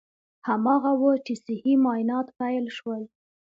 هماغه و چې صحي معاینات پیل شول.